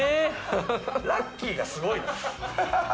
ラッキーがすごいな！